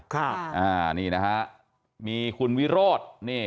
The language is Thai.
ค่ะนี่นะฮะมีคุณวิโรธ